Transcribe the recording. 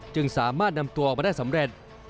จึงสามารถนำตัวออกมาได้สำเร็จ